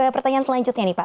pertanyaan selanjutnya nih pak